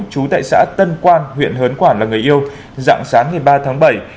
chú tại xã tân quan huyện hớn quảng là người yêu dặn sáng ngày ba tháng bảy